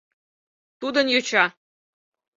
Тудын йоча!